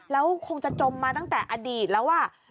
แล้วคงจะจมมาตั้งแต่อดีตแล้ว